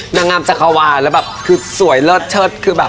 นางงามจักรวาลแล้วแบบคือสวยเลิศเชิดคือแบบ